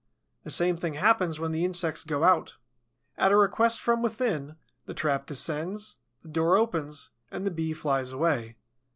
The same thing happens when the insects go out. At a request from within, the trap descends, the door opens and the Bee flies away.